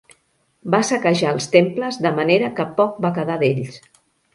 Va saquejar els temples de manera que poc va quedar d'ells.